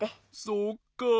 そっかあ。